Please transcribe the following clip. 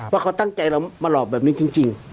ว่าเขาตั้งใจเรามาหลอกแบบนี้จริง